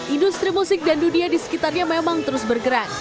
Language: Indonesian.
industri musik dan dunia di sekitarnya memang terus bergerak